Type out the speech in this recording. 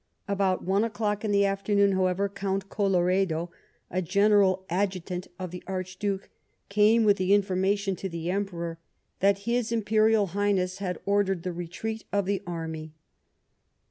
About one o'clock in the afternoon, however. Count Colloredo, a general adjutant of the Archduke, came with the information to the Emperor, that his Imperial Highness had ordered the retreat of the army.